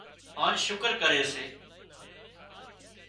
هانَ شُڪر ڪري سي